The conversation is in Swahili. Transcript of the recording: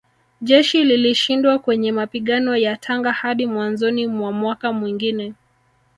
Jeshi lilishindwa kwenye mapigano ya Tanga hadi mwanzoni mwa mwaka mwingine